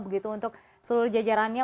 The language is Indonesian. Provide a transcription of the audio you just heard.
begitu untuk seluruh jajarannya